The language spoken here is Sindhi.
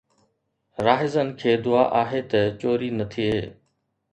راهزن کي دعا آهي ته چوري نه ٿئي